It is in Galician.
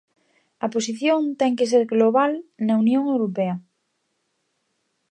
A posición ten que ser global na Unión Europea.